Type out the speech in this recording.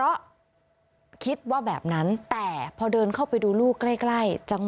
พาพนักงานสอบสวนสนราชบุรณะพาพนักงานสอบสวนสนราชบุรณะ